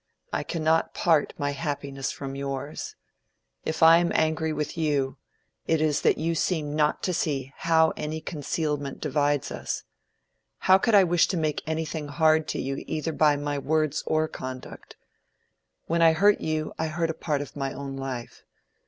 I cannot part my happiness from yours. If I am angry with you, it is that you seem not to see how any concealment divides us. How could I wish to make anything hard to you either by my words or conduct? When I hurt you, I hurt part of my own life.